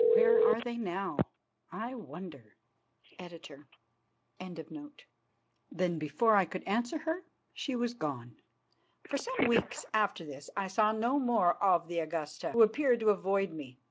Where are they now, I wonder? Editor. Then, before I could answer her, she was gone. For some weeks after this I saw no more of the Augusta, who appeared to avoid me.